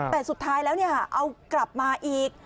แต่สุดท้ายแล้วเอากลับมาอีก